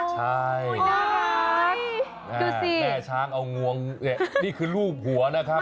ใช่แม่ช้างเอางวงนี่คือรูปหัวนะครับ